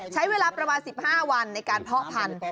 ใช้เวลาประมาณ๑๕วันในการเพาะพันธุ